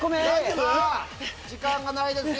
さぁ時間がないですよ